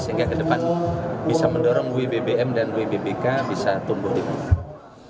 sehingga kedepan bisa mendorong wbbm dan wbbk bisa tumbuh di jawa tengah